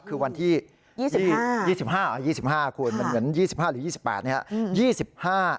คือวันที่๒๕๒๕หรอ๒๕คุณมันเหมือน๒๕หรือ๒๘ใช่ไหม